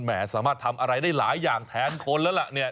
สามารถทำอะไรได้หลายอย่างแทนคนแล้วล่ะเนี่ย